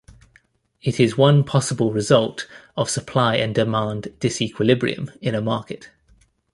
It is one possible result of supply and demand disequilibrium in a market.